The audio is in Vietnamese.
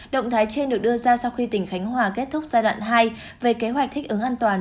động thái trên được đưa ra sau khi tỉnh khánh hòa kết thúc giai đoạn hai về kế hoạch thích ứng an toàn